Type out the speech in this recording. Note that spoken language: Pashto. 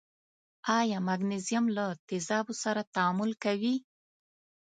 آیا مګنیزیم له تیزابو سره تعامل کوي؟